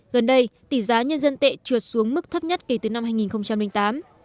gần đây tỷ giá nhân dân tệ trượt xuống mức thấp nhất kể từ năm hai nghìn tám